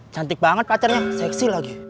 cantik banget pacarnya seksi lagi